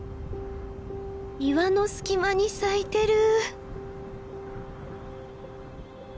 岩の隙間に咲いてる！